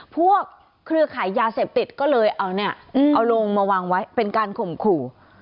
เครือขายยาเสพติดก็เลยเอาเนี่ยเอาลงมาวางไว้เป็นการข่มขู่